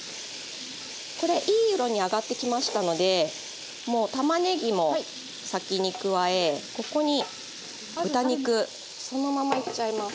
これいい色に揚がってきましたのでもうたまねぎも先に加えここに豚肉そのままいっちゃいます。